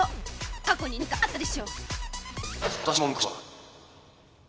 過去になんかあったでしょ？